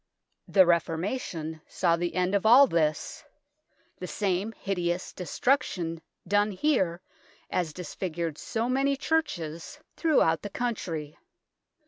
The Reformation saw the end of all this the same hideous destruction done here as disfigured so many churches throughout 134 THE TOWER OF LONDON the country.